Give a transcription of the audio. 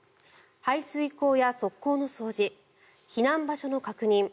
排水溝や側溝の掃除避難場所の確認